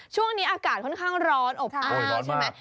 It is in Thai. ช่วงนี้อากาศค่อนข้างร้อนอบอ้าวใช่ไหม